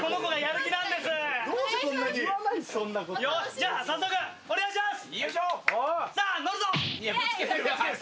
じゃあ、早速、お願いします！